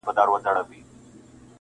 زه پر خپل ځان خپله سایه ستایمه,